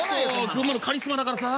群馬のカリスマだからさ。